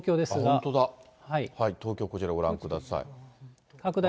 本当だ、東京、こちらご覧ください。